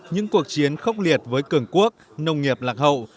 những cuộc chiến khốc liệt với cường quốc nông nghiệp lạc hậu